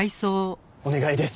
お願いです！